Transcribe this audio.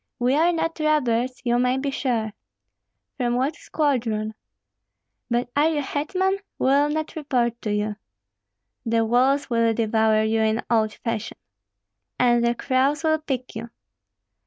"We are not robbers, you may be sure." "From what squadron?" "But are you hetman? We will not report to you." "The wolves will devour you, in old fashion." "And the crows will pick you!"